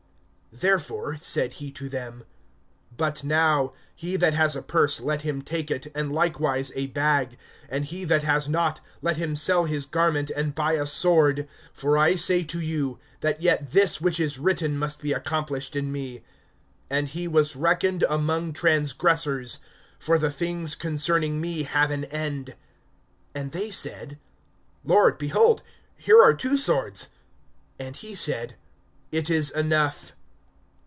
(36)Therefore said he to them: But now, he that has a purse let him take it, and likewise a bag; and he that has not, let him sell his garment and buy a sword. (37)For I say to you, that yet this which is written must be accomplished in me: And he was reckoned among transgressors; for the things concerning me have an end[22:37]. (38)And they said: Lord, behold, here are two swords. And he said: It is enough!